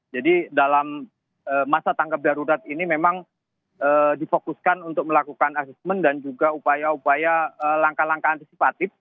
jadi dalam masa tanggap darurat ini memang difokuskan untuk melakukan asesmen dan juga upaya upaya langkah langkah antisipatif